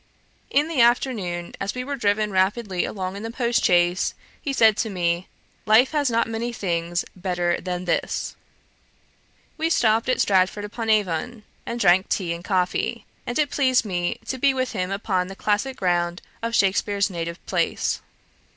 In the afternoon, as we were driven rapidly along in the post chaise, he said to me 'Life has not many things better than this.' We stopped at Stratford upon Avon, and drank tea and coffee; and it pleased me to be with him upon the classick ground of Shakspeare's native place.